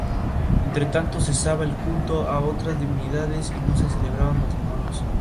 Entretanto, cesaba el culto a otras divinidades y no se celebraban matrimonios.